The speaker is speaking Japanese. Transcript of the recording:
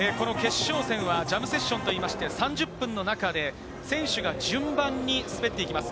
決勝戦はジャムセッションと言いまして、３０分の中で選手が順番に滑っていきます。